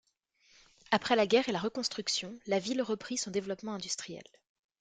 Après la guerre et la reconstruction, la ville reprit son développement industriel.